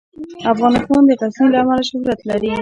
افغانستان د غزني له امله شهرت لري.